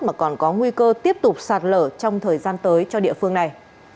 mà còn có nguy cơ tiếp tục sạt lở trong thời gian tới cho địa phương này